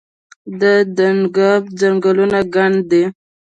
د دانګام ځنګلونه ګڼ دي